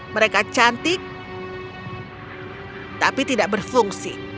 mereka cantik tapi tidak berfungsi